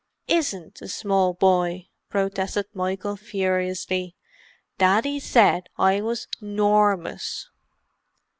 "Isn't a small boy!" protested Michael furiously. "Daddy said I was 'normous."